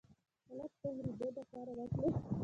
خلق د اورېدو دپاره راتللو